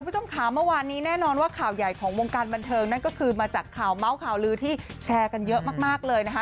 คุณผู้ชมค่ะเมื่อวานนี้แน่นอนว่าข่าวใหญ่ของวงการบันเทิงนั่นก็คือมาจากข่าวเมาส์ข่าวลือที่แชร์กันเยอะมากเลยนะคะ